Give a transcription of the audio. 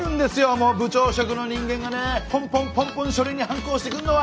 もう部長職の人間がねポンポンポンポン書類にハンコ押してくんのは！